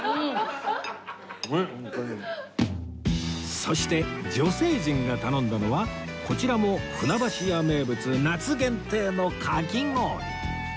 そして女性陣が頼んだのはこちらも船橋屋名物夏限定のかき氷